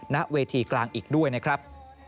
ณเวทีกลางอีกด้วยนะครับ